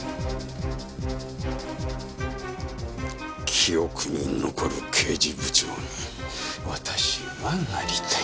記憶に残る刑事部長に私はなりたい。